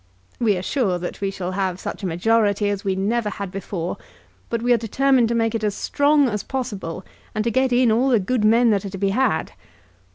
We are sure that we shall have such a majority as we never had before; but we are determined to make it as strong as possible, and to get in all the good men that are to be had.